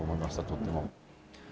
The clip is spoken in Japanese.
とっても。